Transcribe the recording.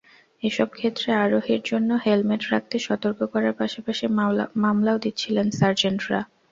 এসব ক্ষেত্রে আরোহীর জন্য হেলমেট রাখতে সতর্ক করার পাশাপাশি মামলাও দিচ্ছিলেন সার্জেন্টরা।